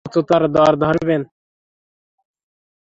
উচ্চতর দর ধরবেন?